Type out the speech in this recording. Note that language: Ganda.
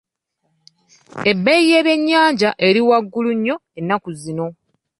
Ebbeeyi y'ebyennyanja eri waggulu nnyo ennaku zino.